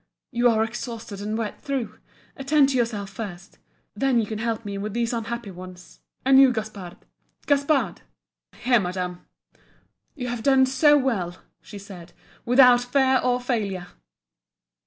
you are exhausted and wet through attend to yourself first then you can help me with these unhappy ones and you Gaspard, Gaspard!" "Here, Madama!" "You have done so well!" she said "Without fear or failure!"